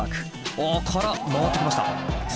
おから回ってきました。